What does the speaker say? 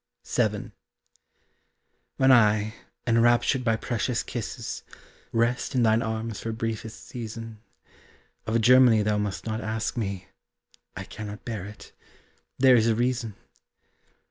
VII. When I, enraptured by precious kisses, Rest in thine arms for briefest season, Of Germany thou must not ask me, I cannot bear it there is a reason!